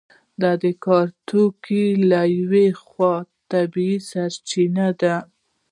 د کار توکي له یوې خوا طبیعي سرچینې دي.